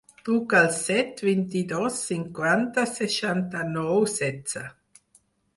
Truca al set, vint-i-dos, cinquanta, seixanta-nou, setze.